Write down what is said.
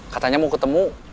katanya mau ketemu